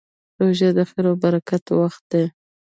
روژه د خیر او برکت وخت دی.